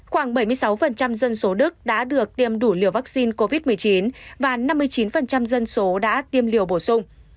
khoảng bảy mươi sáu dân số đức đã được tiêm đủ liều vaccine covid một mươi chín và năm mươi chín dân số đã tiêm liều bổ sung